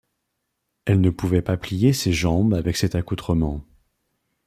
Elle ne pouvait pas plier ses jambes avec cet accoutrement.